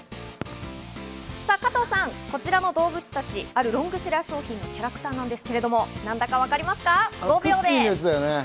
加藤さん、こちらの動物たち、あるロングセラー商品のキャラクターなんですが何だか分かりますか？